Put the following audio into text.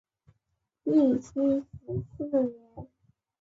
义熙十四年。